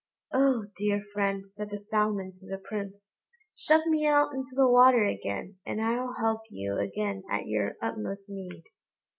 "Oh, dear friend," said the Salmon to the Prince; "shove me out into the water again, and I'll help you again at your utmost need."